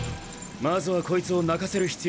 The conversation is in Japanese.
まずはこいつを泣かせる必要がある。